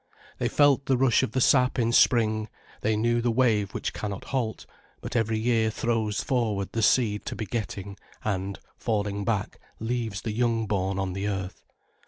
They felt the rush of the sap in spring, they knew the wave which cannot halt, but every year throws forward the seed to begetting, and, falling back, leaves the young born on the earth.